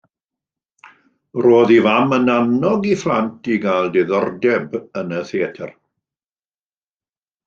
Roedd ei fam yn annog ei phlant i gael diddordeb yn y theatr.